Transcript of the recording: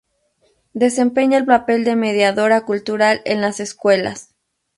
Desempeña el papel de mediadora cultural en las escuelas.